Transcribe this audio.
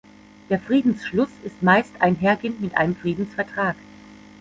Der Friedensschluss ist meist einhergehend mit einem Friedensvertrag.